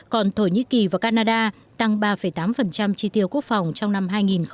còn thổ nhĩ kỳ và canada tăng ba tám chi tiêu quốc phòng trong năm hai nghìn một mươi chín